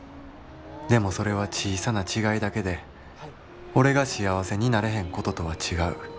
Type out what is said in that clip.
でもそれは小さな違いだけで俺が幸せになれへんこととは違う」。